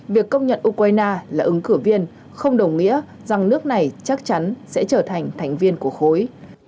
việc công nhận ukraine là ứng cử viên không đồng nghĩa rằng nước này chắc chắn sẽ trở thành thành viên của khối